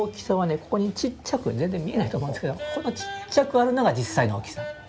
ここにちっちゃく全然見えないと思うんですけどこのちっちゃくあるのが実際の大きさなんです。